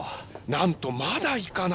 なんとまだいかない。